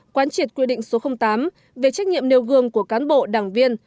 quán triệt quy định số tám về trách nhiệm nêu gương của cán bộ đảng viên